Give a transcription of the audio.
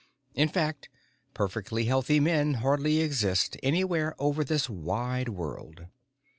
In fact, perfectly healthy men hardly exist anywhere over this wide world.